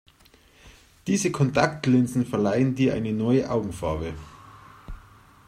Diese Kontaktlinsen verleihen dir eine neue Augenfarbe.